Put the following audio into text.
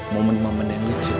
momen momen yang lucu